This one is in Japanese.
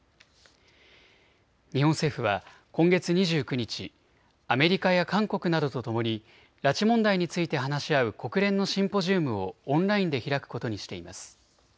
日本政府は今月２９日、アメリカや韓国などとともに拉致問題について話し合う国連のシンポジウムをオンラインで開くことにしています。